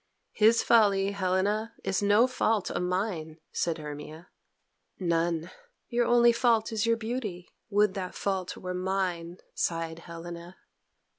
"His folly, Helena, is no fault of mine," said Hermia. "None. Your only fault is your beauty. Would that fault were mine," sighed Helena.